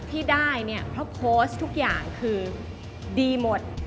ที่ได้เนี่ยเพราะโพสต์ทุกอย่างคือดีหมด